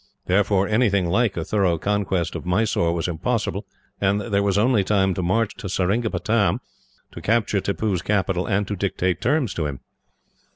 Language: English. Therefore, anything like a thorough conquest of Mysore was impossible, and there was only time to march to Seringapatam, to capture Tippoo's capital, and to dictate terms to him.